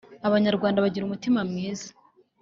abanyarwanda bagira umutima mwiza